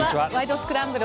スクランブル」